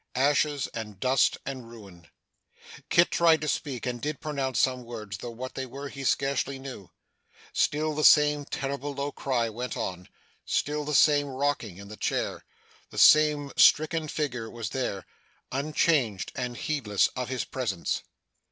Ashes, and dust, and ruin! Kit tried to speak, and did pronounce some words, though what they were he scarcely knew. Still the same terrible low cry went on still the same rocking in the chair the same stricken figure was there, unchanged and heedless of his presence.